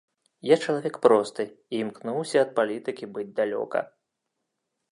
Я чалавек просты і імкнуся ад палітыкі быць далёка.